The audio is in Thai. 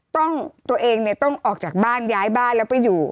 ตัวเองเนี่ยต้องออกจากบ้านย้ายบ้านแล้วไปอยู่